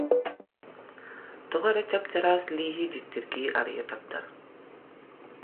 Тоҕо эрэ чап-чараас лииһи дьиктиргии арыйа тардар